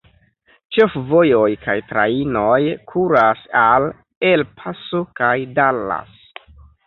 Ĉefvojoj kaj trajnoj kuras al El Paso kaj Dallas.